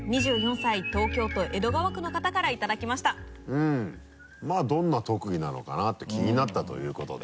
うんまぁどんな特技なのかな？って気になったということで。